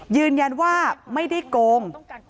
ยืนยันว่าไม่ได้โกง